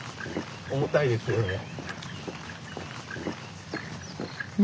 重たいですよね。